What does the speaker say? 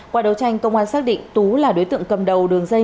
qua đấu tranh công an xác định tú là đối tượng cầm đầu đường dây